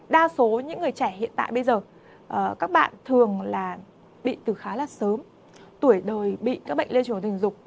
đa số những người trẻ hiện tại bây giờ các bạn thường bị từ khá là sớm tuổi đời bị các bệnh liên truyền hình dục